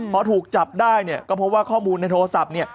พอถูกจับได้เนี่ยก็พบว่าข้อมูลในโทรศัพท์เนี่ย